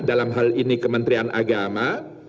dalam hal ini kementerian agama